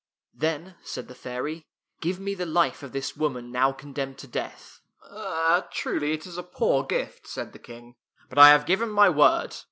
" Then," said the fairy, " give me the life of this woman now condemned to death." " Truly it is a poor gift," said the King, " but I have given my word.